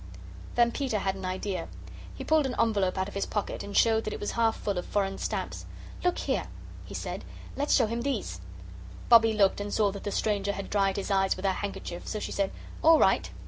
Then Peter had an idea. He pulled an envelope out of his pocket, and showed that it was half full of foreign stamps. "Look here," he said, "let's show him these " Bobbie looked and saw that the stranger had dried his eyes with her handkerchief. So she said: "All right."